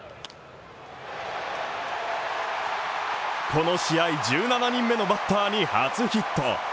この試合１７人目のバッターに初ヒット。